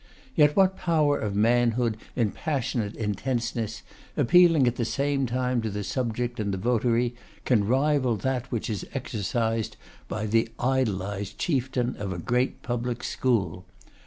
Yet what power of manhood in passionate intenseness, appealing at the same time to the subject and the votary, can rival that which is exercised by the idolised chieftain of a great public school?